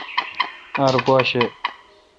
ار گوا شہ۔